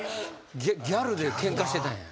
ギャルでケンカしてたんや。